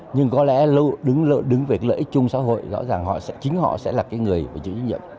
nhưng có lẽ đứng với lợi ích chung xã hội rõ ràng chính họ sẽ là người có chữ chứng nhận